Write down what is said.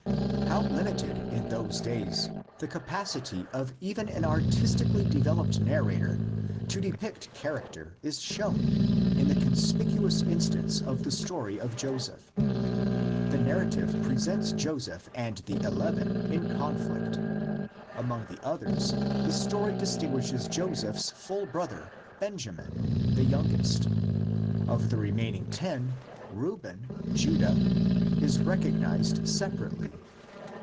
How limited in those days the capacity of even an artistically developed narrator to depict char acter is shown in the conspicuous instance of the story of Joseph: the narrative presents Joseph and the eleven in conflict; among the others the story distinguishes Joseph's full brother, Benjamin, the youngest; of the remaining ten Reuben Qudah) is recognised separately.